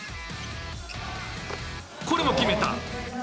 これも決めた！